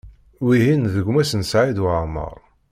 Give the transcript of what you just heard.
Wihin d gma-s n Saɛid Waɛmaṛ.